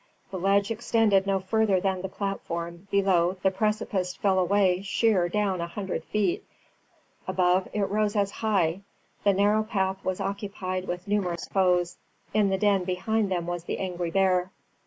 The ledge extended no further than the platform; below, the precipice fell away sheer down a hundred feet; above, it rose as high. The narrow path was occupied with numerous foes. In the den behind them was the angry bear.